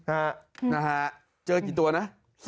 นะฮะเจอกี่ตัวนะ